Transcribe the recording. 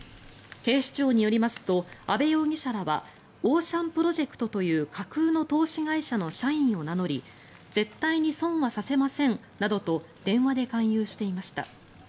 警視庁によりますと阿部容疑者らはオーシャンプロジェクトという架空の投資会社の社員を名乗り絶対に損はさせませんなどと電話で勧誘していました。